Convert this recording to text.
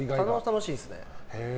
楽しいですね。